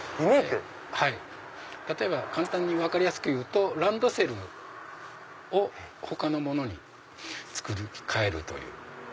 例えば簡単に分かりやすく言うとランドセルを他のものに作り替える。